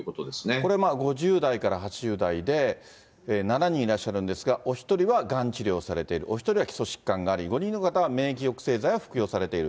これ、５０代から８０代で、７人いらっしゃるんですが、お１人はがん治療されている、お１人は基礎疾患があり、５人の方は免疫抑制剤を服用されている。